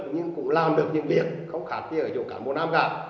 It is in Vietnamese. nhưng cũng làm được những việc không khác như ở chỗ cán bộ nam cả